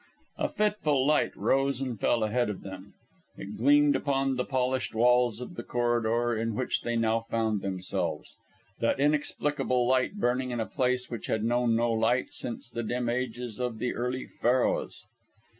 A fitful light rose and fell ahead of them. It gleamed upon the polished walls of the corridor in which they now found themselves that inexplicable light burning in a place which had known no light since the dim ages of the early Pharaohs!